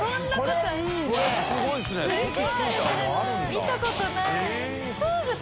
見たことない！